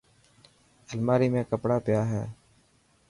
الماري ۾ ڪپڙا پيا هي.